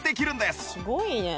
すごいね！